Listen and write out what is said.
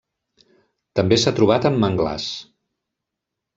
També s'ha trobat en manglars.